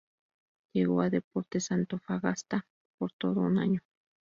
Llegó a Deportes Antofagasta por todo un año.